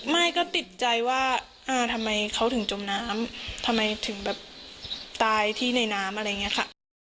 ไม่ก็ติดใจว่าทำไมเขาถึงจมน้ำทำไมถึงแบบตายที่ในน้ำอะไรอย่างนี้ค่ะ